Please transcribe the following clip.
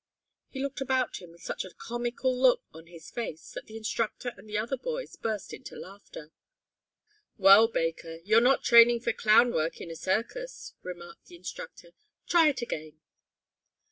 He looked about him with such a comical look on his face that the instructor and the other boys burst into laughter. "Well, Baker, you're not training for clown work in a circus," remarked the instructor. "Try it again."